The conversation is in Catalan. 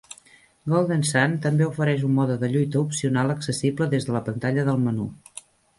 "Golden Sun" també ofereix un mode de lluita opcional accessible des de la pantalla del menú.